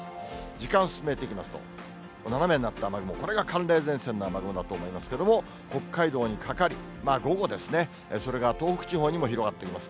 時間進めていきますと、斜めになった雨雲、これが寒冷前線の雨雲だと思いますけれども、北海道にかかり、それが午後ですね、それが東北地方にも広がってきます。